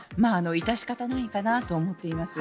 致し方ないかなと思っています。